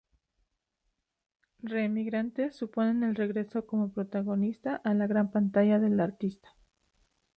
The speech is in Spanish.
Re-Emigrantes supone el regreso, como protagonista, a la gran pantalla del artista.